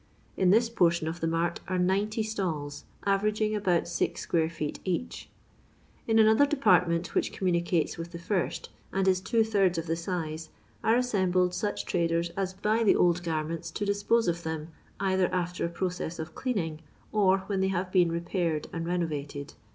In this portion of the mart are 90 stalls, aTersging about six square feet each. In another department, which commnnicates with the first, and is two thirds of the site, are assembled such traders as buy the old gtrmentsto LONDON LABOUR AND THE LONDON POOR, 27 ditpoM of them, either after a proeeis of cleaning, or when they hare been repaired and renovated.